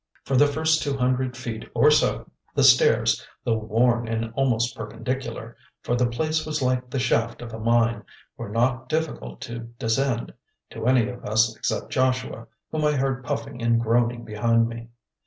For the first two hundred feet or so the stairs, though worn and almost perpendicular, for the place was like the shaft of a mine, were not difficult to descend, to any of us except Joshua, whom I heard puffing and groaning behind me.